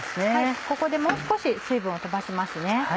ここでもう少し水分を飛ばしますね。